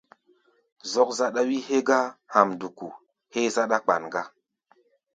Zɔ́k záɗá wí hégá hamduku héé záɗá-kpan gá.